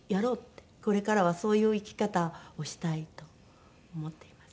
これからはそういう生き方をしたいと思っています。